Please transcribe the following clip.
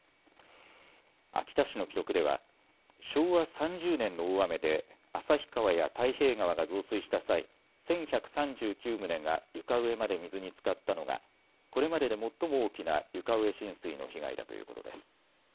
秋田市の記録では昭和３０年の大雨で旭川や太平川が増水した際、１１３９棟が床上まで水につかったのがこれまでで最も大きな床上浸水の被害だということです。